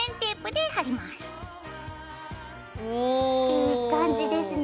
いい感じですね。